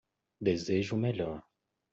Desejo o melhor!